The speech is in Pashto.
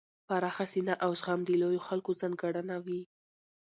پراخه سینه او زغم د لویو خلکو ځانګړنه وي.